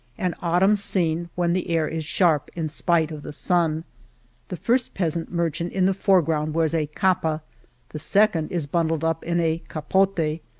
An autumn scene when the air is sharp in spite of the sun. The first peasant merchant in the foreground wears a " cdpa, the second is bundled up in a " capdte.